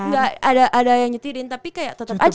enggak ada yang nyetirin tapi kayak tetep aja